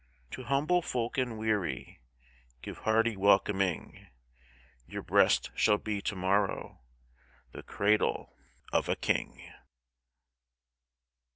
To humble folk and weary Give hearty welcoming, Your breast shall be to morrow The cradle of a King.